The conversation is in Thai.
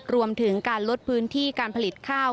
รวมถึงการลดพื้นที่การผลิตข้าว